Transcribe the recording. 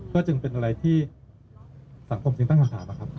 ก็จึงเป็นอะไรที่สังคมจึงตั้งคำถามครับ